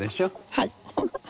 はい。